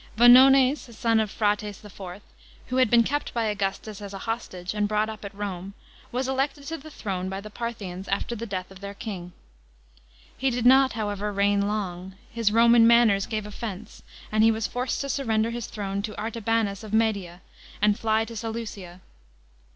Vonones, a son of Phraates IV., who had been kept by Augustus as a hostage and brought up at Rome, was elected to the throne by the Parthians after the death of their king. He did not, however, reign long ; his Roman manners gave offence ; and he was forced to surrender his throne to Artabanus of Media, and fly to Seleucia.